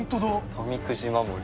富くじ守り。